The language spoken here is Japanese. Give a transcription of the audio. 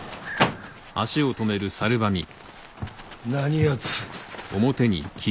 何やつ？